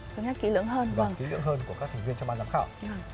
cân nhắc kỹ lưỡng hơn của các thành viên trong ban giám khảo